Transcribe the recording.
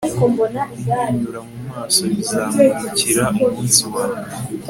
kumwenyura mumaso bizamurikira umunsi wawe